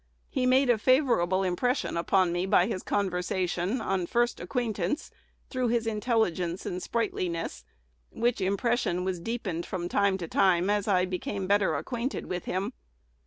He made a favorable impression upon me by his conversation on first acquaintance through his intelligence and sprightliness, which impression was deepened from time to time, as I became better acquainted with him."